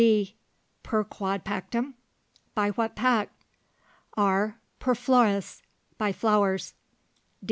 D. Per quod pactum? By what pact? R. Per flores. By flowers.